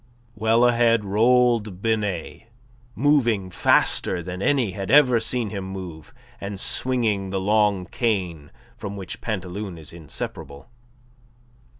Well ahead rolled Binet, moving faster than any had ever seen him move, and swinging the long cane from which Pantaloon is inseparable.